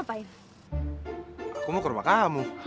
aku mau ke rumah kamu